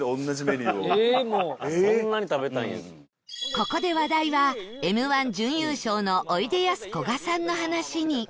ここで話題は Ｍ−１ 準優勝のおいでやすこがさんの話に